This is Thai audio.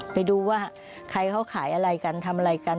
ไปดูว่าใครเขาขายอะไรกันทำอะไรกัน